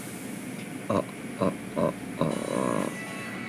Several authors and poets have also written in Fering.